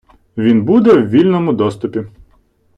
Він буде в вільному доступі.